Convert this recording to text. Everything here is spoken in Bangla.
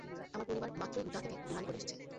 আমার পরিবার মাত্রই উটাহ থেকে বিমানে করে এসেছে।